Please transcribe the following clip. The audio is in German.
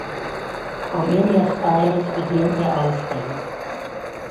Am Ende des Tales beginnt der Aufstieg.